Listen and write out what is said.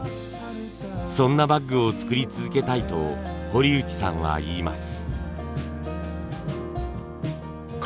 そんなバッグを作り続けたいと堀内さんは言います。